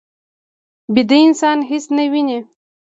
ویده انسان هېڅ نه ویني